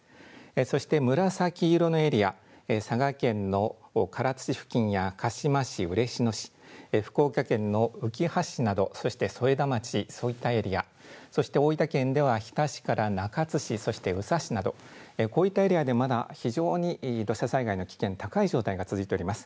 そして紫色のエリア、佐賀県の唐津市付近や鹿島市、嬉野市、福岡県のうきは市などそして添田町、そういったエリア、そして大分県では日田市から中津市、そして宇佐市などこういったエリアでまだ非常に土砂災害の危険、高い状態が続いております。